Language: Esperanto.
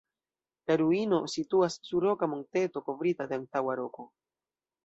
La ruino situas sur roka monteto kovrita de antaŭa roko.